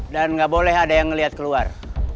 dan gak boleh ada yang ngeliat keluar